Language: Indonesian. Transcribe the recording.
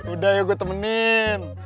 udah yuk gua temenin